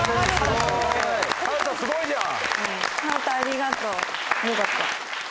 春太すごいじゃん！